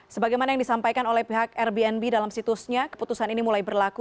sebagai yang disampaikan oleh pihak airbnb dalam situsnya